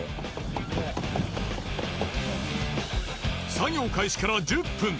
作業開始から１０分。